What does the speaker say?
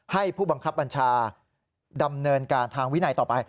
ผู้บังคับบัญชาดำเนินการทางวินัยต่อไป